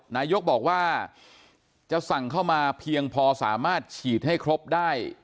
นายกบอกว่าจะสั่งเข้ามาเพียงพอสามารถฉีดให้ครบได้